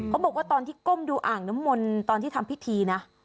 บอกว่าตอนที่ก้มดูอ่างน้ำมนต์ตอนที่ทำพิธีนะ